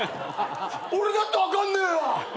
「俺だって分かんねえよ！」